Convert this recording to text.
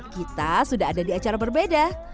kita sudah ada di acara berbeda